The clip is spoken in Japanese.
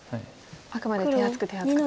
あくまで手厚く手厚くと。